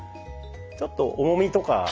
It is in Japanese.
ちょっと重みとか。